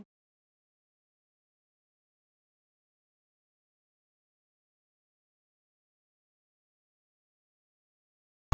itu apa yang berhentikan kau